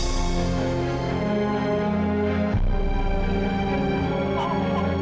jawab aja kamil